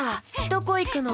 どこいくの？